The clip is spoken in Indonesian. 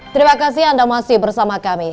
terima kasih anda masih bersama kami